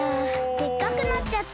でっかくなっちゃった。